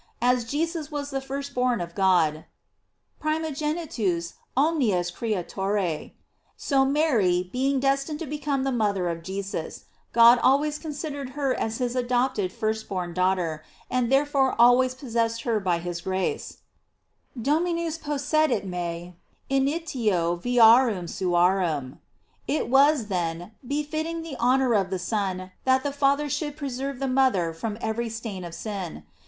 As Jesus was the first born of God: "Primogenitus omnis creaturae,"* so Mary, being destined to become the mother of Jesus, God always considered her as his adopted first born daughter, and therefore always possessed her by his grace: "Dominus possedit me in initio viarum suarum."f It was, then, befitting the honor of the Son that the Father should preserve the mother from every stain of sin.